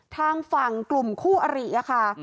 ทางฝั่งกลุ่มคู่อริค่ะ